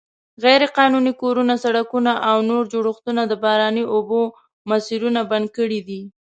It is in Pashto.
غیرقانوني کورونه، سړکونه او نور جوړښتونه د باراني اوبو مسیرونه بند کړي دي.